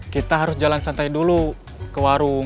kita harus jalan santai dulu ke warung